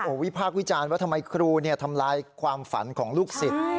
วิพากษ์วิจารณ์ว่าทำไมครูทำลายความฝันของลูกศิษย์